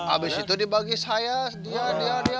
abis itu dibagi saya dia dia dia